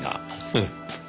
ええ。